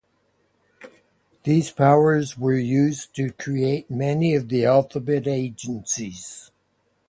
These powers were used to create many of the alphabet agencies.